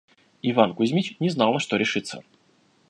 Иван Кузмич не знал, на что решиться.